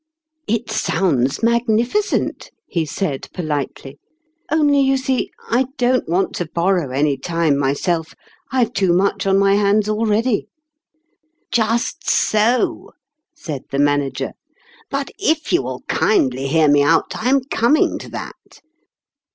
" It sounds magnificent," lie said politely ;" only you see, I don't want to borrow any time myself. I've too much on my hands al ready." " Just so," said the Manager ;" but if you will kindly hear me out, I am coming to that.